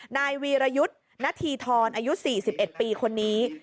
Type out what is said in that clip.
นายวีรยุทธ์ณฑีทรอายุ๔๑ปีคนนี้